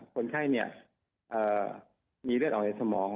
คนไข้มีเลือดออกในสมอง